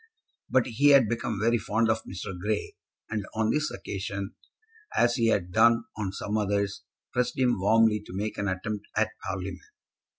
But he had become very fond of Mr. Grey, and on this occasion, as he had done on some others, pressed him warmly to make an attempt at Parliament.